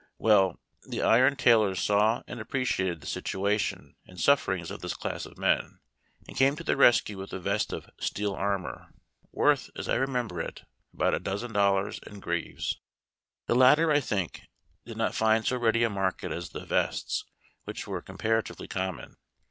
Well, the iron tailors saw and appreciated the situation and sufferings of this class of men, and came to the rescue with a vest of steel armor, worth, as I remember it, about a dozen dollars, and greaves. The latter, I think, did not find so ready a market as the vests, which were comparatively common.